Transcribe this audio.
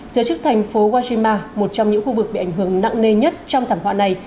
giới chức thành phố wajima một trong những khu vực bị ảnh hưởng nặng nề nhất trong thảm họa này